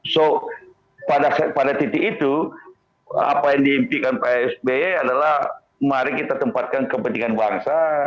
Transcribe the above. so pada titik itu apa yang diimpikan pak sby adalah mari kita tempatkan kepentingan bangsa